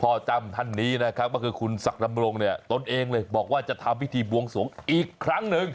จ้ำท่านนี้นะครับก็คือคุณศักดำรงเนี่ยตนเองเลยบอกว่าจะทำพิธีบวงสวงอีกครั้งหนึ่ง